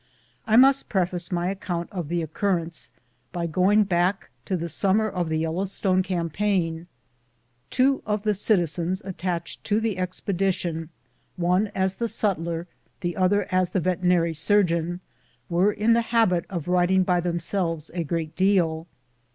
I must preface my account of the occurrence by going back to the summer of the Yellowstone campaign. Two of the citizens attached to the expedition, one as the sutler, the other as the veterinary surgeon, were in the Jiabit of riding by themselves a great deal.